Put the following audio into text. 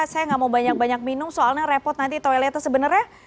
saya nggak mau banyak banyak minum soalnya repot nanti toiletnya sebenarnya